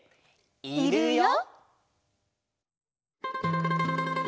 「いるよ」。